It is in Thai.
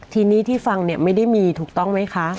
ทีนี้ที่ฟังเนี่ยไม่ได้มีถูกต้องไหมคะ